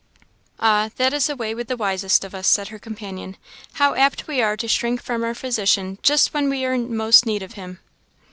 "Ah! that is the way with the wisest of us," said her companion; "how apt we are to shrink most from our Physician just when we are in most need of him!